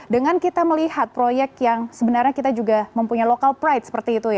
dengan kita melihat proyek yang sebenarnya kita juga mempunyai local pride seperti itu ya